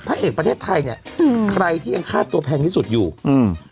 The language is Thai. เอกประเทศไทยเนี้ยอืมใครที่ยังค่าตัวแพงที่สุดอยู่อืม